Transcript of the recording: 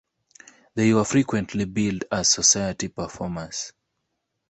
They were frequently billed as society performers.